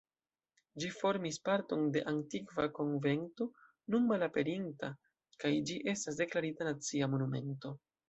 Ĝi formis parton de antikva konvento nun malaperinta kaj ĝi estas deklarita Nacia Monumento.